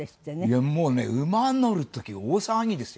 いやもうね馬乗る時大騒ぎですよ。